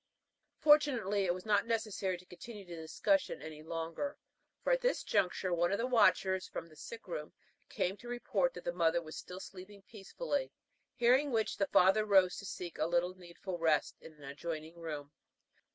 Fortunately, it was not necessary to continue the discussion any longer, for at this juncture one of the watchers from the sick room came to report that the mother was still sleeping peacefully, hearing which, the father rose to seek a little needful rest in an adjoining room.